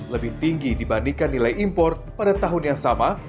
lebih tinggi dibandingkan nilai impor pada tahun yang sama